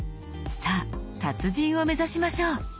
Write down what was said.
さぁ達人を目指しましょう。